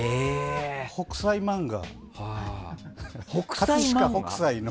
「北斎漫画」。